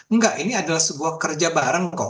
enggak ini adalah sebuah kerja bareng kok